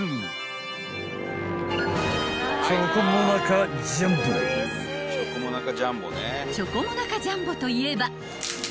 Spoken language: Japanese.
［チョコモナカジャンボといえば］